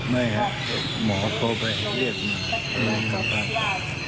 ไม่ครับหมอโทรไปเรียกมา